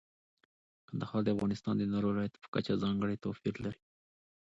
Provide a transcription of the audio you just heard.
کندهار د افغانستان د نورو ولایاتو په کچه ځانګړی توپیر لري.